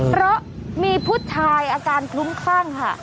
เพราะมีผู้ชายอาการคลุ้มคลั่งค่ะ